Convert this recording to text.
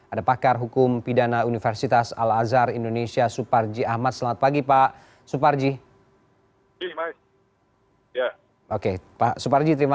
ada pakar hukum pidana universitas al azhar indonesia suparji ahmad selamat pagi pak suparji